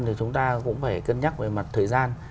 thì chúng ta cũng phải cân nhắc về mặt thời gian